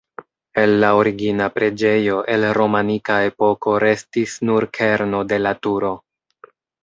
El la origina preĝejo el romanika epoko restis nur kerno de la turo.